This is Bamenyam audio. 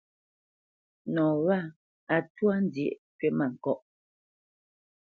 Nɔ wâ a twá nzyə̌ʼ kywítmâŋkɔʼ.